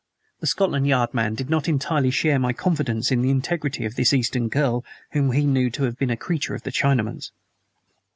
The Scotland Yard man did not entirely share my confidence in the integrity of this Eastern girl whom he knew to have been a creature of the Chinaman's.